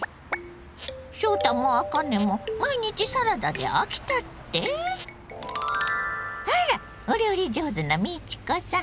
翔太もあかねも毎日サラダで飽きたって⁉あらお料理上手な美智子さん！